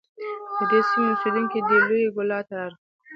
د دې سیمې اوسیدونکي دی لویې کلا ته ارگ